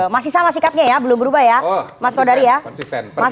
masih sama sikapnya ya belum berubah ya mas kodari ya